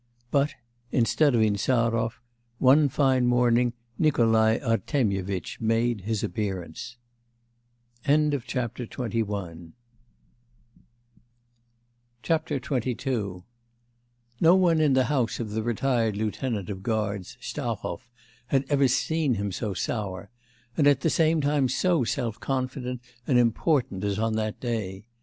But instead of Insarov, one fine morning Nikolai Artemyevitch made his appearance. XXII No one in the house of the retired lieutenant of guards, Stahov, had ever seen him so sour, and at the same time so self confident and important as on that day.